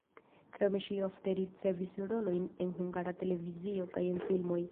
Krome ŝi ofte ricevis rolojn en Hungara Televizio kaj en filmoj.